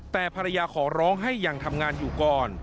แต่ภรรยาขอร้องให้ยังทำงานอยู่ก่อน